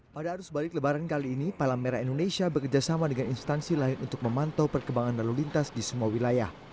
pada arus balik lebaran kali ini palang merah indonesia bekerjasama dengan instansi lain untuk memantau perkembangan lalu lintas di semua wilayah